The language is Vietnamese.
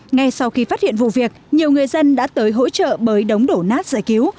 ngay sau khi phát hiện vụ việc nhiều người dân đã tới hỗ trợ bới đống đổ nát giải cứu